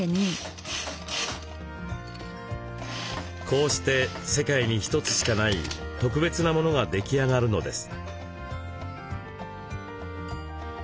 こうして世界に一つしかない特別なものが出来上がるのです。